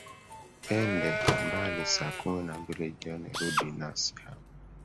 ende mbali saa kumi na mbili jioni rudi nasi hapa